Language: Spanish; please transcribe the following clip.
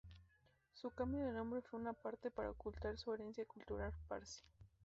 Su cambio de nombre fue en parte para ocultar su herencia cultural parsi.